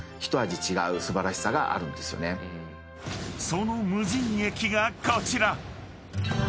［その無人駅がこちら］